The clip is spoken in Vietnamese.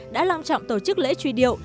đã long trọng tổ chức lễ truy điệu